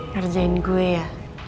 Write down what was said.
ngerjain gue ya